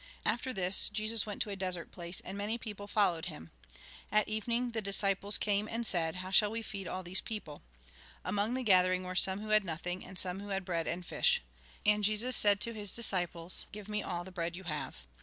After this, Jesus went to a desert place, and many people followed him. At evening, the disciples came, and said :" How shall we feed all these people ?" Among the gathering were some who had nothing, and some who had bread and fish. And Jesus said to his disciples :" Give me all the bread you have."